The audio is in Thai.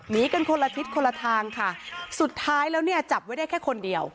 หนีกันคนละทิศคนละทางค่ะสุดท้ายแล้วเนี่ยจับไว้ได้แค่คนเดียว